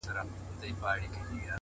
اوس له كندهاره روانـېـــږمه؛